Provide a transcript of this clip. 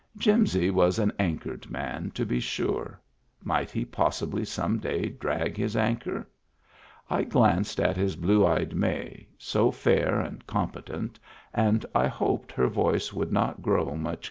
Jimsy was an anchored man, to be sure : might he possibly some day drag his anchor ? I glanced at his blue eyed May, so fair and competent, and I hoped her voice would not grow much clearer.